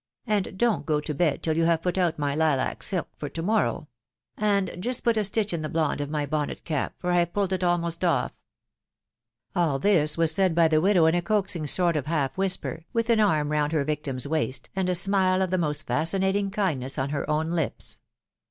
and don't go to bed till you have put out my IQac silk for to morrow ; and just put a stitch in the blonde of my bonnet cap, for I pulled it almost o&" v "n. ...■ ■^?T:T^*=Sf^BSF TOtt WIDOW BABNABY. 543 AIL this was said by the widow in a coaxing sort of half whisper, with an arm round her victim's waist, and a smile of the most fascinating kindness on her own lips.